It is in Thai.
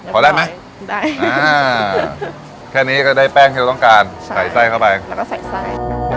พอได้ไหมได้อ่าแค่นี้ก็ได้แป้งที่เราต้องการใส่ไส้เข้าไปแล้วก็ใส่ไส้